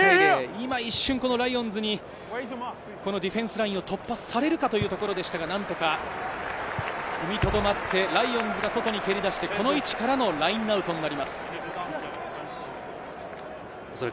今、一瞬ライオンズにディフェンスラインを突破されるかというところでしたが、何とか踏みとどまってライオンズが外に蹴り出して、この位置からのラインアウトになります。